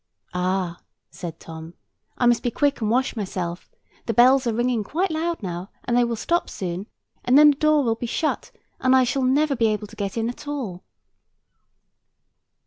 "Ah," said Tom, "I must be quick and wash myself; the bells are ringing quite loud now; and they will stop soon, and then the door will be shut, and I shall never be able to get in at all."